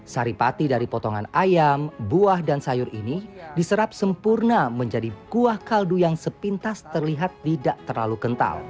sari pati dari potongan ayam buah dan sayur ini diserap sempurna menjadi buah kaldu yang sepintas terlihat tidak terlalu kental